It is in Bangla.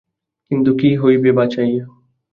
কিন্তু কী হইবে বাচাইয়া?